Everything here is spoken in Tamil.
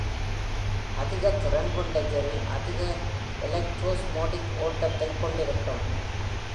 அதிக திறன் கொண்ட ஜெல் அதிக எலக்ட்ரோஸ்மோடிக் ஓட்டத்தைக் கொண்டிருக்கும்.